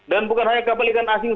dan bukan hanya kapal ikan asing